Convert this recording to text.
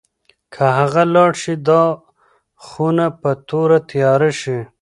که هغه لاړه شي، دا خونه به توره تیاره شي.